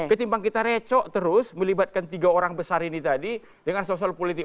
ketimbang kita recok terus melibatkan tiga orang besar ini tadi dengan sosok politik